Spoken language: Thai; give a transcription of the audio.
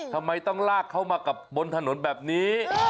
ทำไมต้องลากเขามากับบนถนนแบบนี้